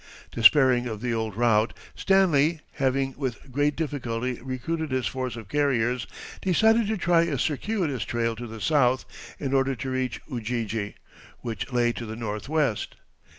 ] Despairing of the old route, Stanley, having with great difficulty recruited his force of carriers, decided to try a circuitous trail to the south in order to reach Ujiji, which lay to the northwest.